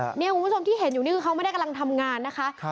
คุณผู้ชมที่เห็นอยู่นี่คือเขาไม่ได้กำลังทำงานนะคะ